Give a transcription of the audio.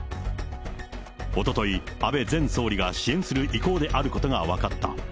おととい、安倍前総理が支援する意向であることが分かった。